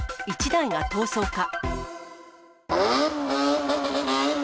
１台が逃走か。